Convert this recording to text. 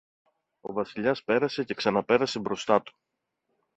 Ο Βασιλιάς πέρασε και ξαναπέρασε μπροστά του